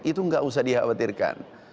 itu nggak usah dikhawatirkan